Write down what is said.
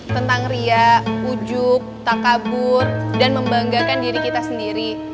tentang riak ujuk takabur dan membanggakan diri kita sendiri